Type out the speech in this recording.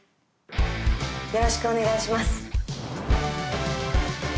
よろしくお願いします。